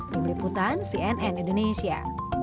pembeli putan cnn indonesia